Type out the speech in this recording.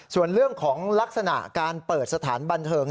ส่วนเรื่องของลักษณะการเปิดสถานบันเทิง